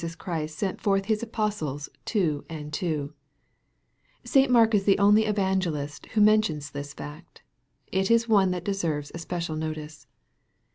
113 Christ sent forth His apostles " two and two" St. Mark is the only evangelist who mentions this fact. It is one that deserves especial notice.